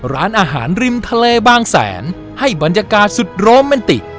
ร้านอาหารริมทะเลบางแสนให้บรรยากาศสุดโรแมนติก